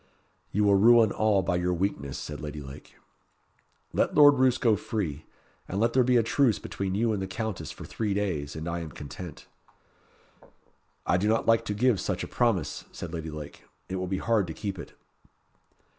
"You will ruin all by your weakness," said Lady Lake. "Let Lord Roos go free, and let there be a truce between you and the Countess for three days, and I am content." "I do not like to give such a promise," said Lady Lake. "It will be hard to keep it."